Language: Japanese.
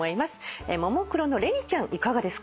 ももクロのれにちゃんいかがですか？